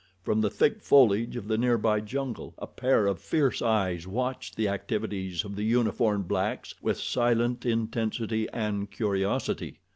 From the thick foliage of the nearby jungle a pair of fierce eyes watched the activities of the uniformed blacks with silent intensity and curiosity.